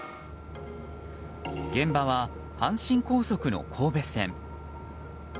現場は阪神高速の神戸線。